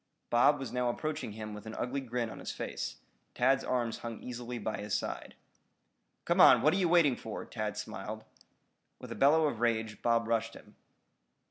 Bob was now approaching him with an ugly grin on his face. Tad's arms hung easily by his side. "Come on, what are you waiting for?" Tad smiled. With a bellow of rage, Bob rushed him.